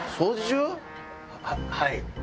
はい。